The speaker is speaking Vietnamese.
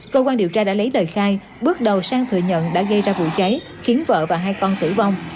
cơ quan điều tra đã lấy lời khai bước đầu sang thừa nhận đã gây ra vụ cháy khiến vợ và hai con tử vong